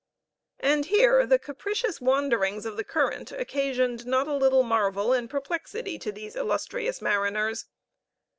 And here the capricious wanderings of the current occasioned not a little marvel and perplexity to these illustrious mariners.